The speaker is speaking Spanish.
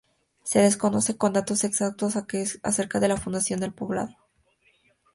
Se desconocen datos exactos acerca de la fundación del poblado.